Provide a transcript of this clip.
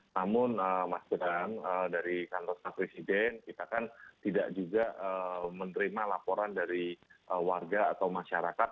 namun mas bram dari kantor staf presiden kita kan tidak juga menerima laporan dari warga atau masyarakat